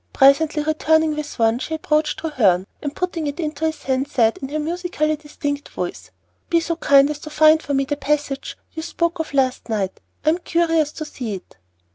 Presently returning with one, she approached Treherne, and, putting it into his hand, said, in her musically distinct voice, "Be so kind as to find for me the passage you spoke of last night. I am curious to see it."